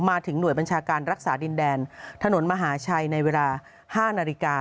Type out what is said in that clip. มาถึงหน่วยบัญชาการรักษาดินแดนถนนมหาชัยในเวลา๕นาฬิกา